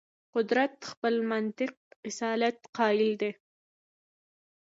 قدرت خپل منطق اصالت قایل دی.